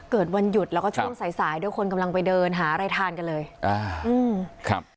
วันหยุดแล้วก็ช่วงสายสายด้วยคนกำลังไปเดินหารายทานกันเลยอ่าอืมครับ